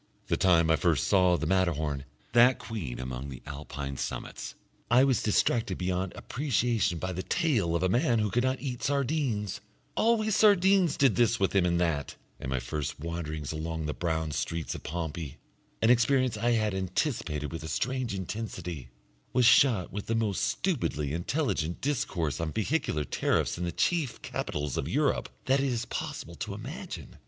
The time I first saw the Matterhorn, that Queen among the Alpine summits, I was distracted beyond appreciation by the tale of a man who could not eat sardines always sardines did this with him and that; and my first wanderings along the brown streets of Pompeii, an experience I had anticipated with a strange intensity, was shot with the most stupidly intelligent discourse on vehicular tariffs in the chief capitals of Europe that it is possible to imagine.